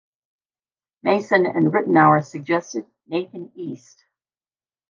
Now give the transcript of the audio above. Mason and Ritenour suggested Nathan East.